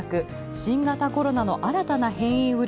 新型コロナの新たな変異ウイル